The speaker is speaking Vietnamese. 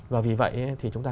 và vì vậy thì chúng ta